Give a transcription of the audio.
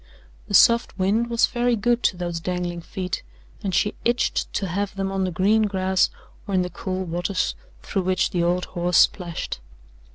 The soft wind was very good to those dangling feet, and she itched to have them on the green grass or in the cool waters through which the old horse splashed.